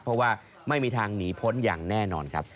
เพราะว่าไม่มีทางหนีพ้นอย่างแน่นอนครับ